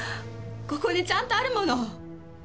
ここにちゃんとあるもの〕